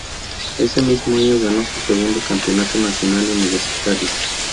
Ese mismo año ganó su segundo campeonato nacional universitario.